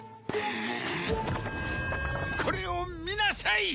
これを見なさい！